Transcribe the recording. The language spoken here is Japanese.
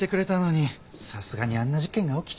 さすがにあんな事件が起きちゃうとさ。